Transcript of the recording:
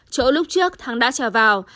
chỗ lúc trước thăng đã trèo vào